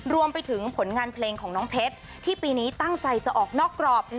รวมไปถึงผลงานเพลงของน้องเพชรที่ปีนี้ตั้งใจจะออกนอกกรอบ